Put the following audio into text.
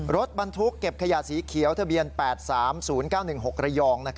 รถบรรทุกเก็บขยะสีเขียวทะเบียน๘๓๐๙๑๖ระยอง